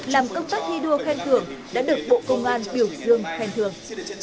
làm công tác thi đua khen thưởng đã được bộ công an biểu dương khen thường